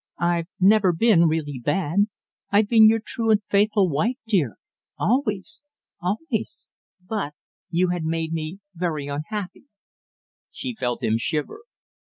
I've never been really bad I've been your true and faithful wife, dear, always always, but you had made me very unhappy " She felt him shiver.